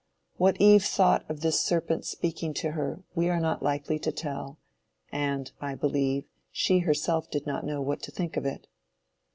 What Eve thought of this serpent speaking to her, we are not likely to tell, and, I believe, she herself did not know what to think of it.